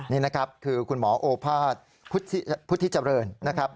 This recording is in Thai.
นี่นะครับคือคุณหมอโอภาษย์พุทธิเจริญนะครับ